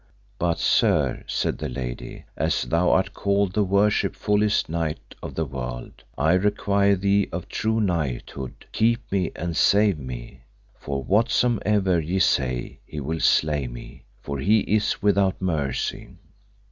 But, sir, said the lady, as thou art called the worshipfullest knight of the world, I require thee of true knighthood, keep me and save me. For whatsomever ye say he will slay me, for he is without mercy.